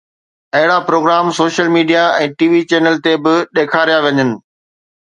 اهڙا programme social media ۽ T V تي به ڏيکاريا وڃن